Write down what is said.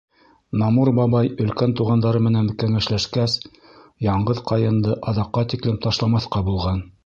Намур бабай өлкән туғандары менән кәңәшләшкәс, яңғыҙ ҡайынды аҙаҡҡа тиклем ташламаҫҡа булған.